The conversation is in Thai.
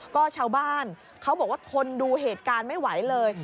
ก็ชาวบ้านเขาบอกว่าทนดูเหตุการณ์ไม่ไหวเลย